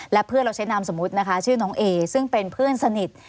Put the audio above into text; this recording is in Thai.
และเพื่อนเราใช้นามสมมุตินะคะชื่อน้องเอซึ่งเป็นเพื่อนสนิท